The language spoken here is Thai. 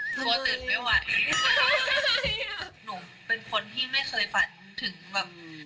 เชิญตอนนี้เด็ดได้หรือยัง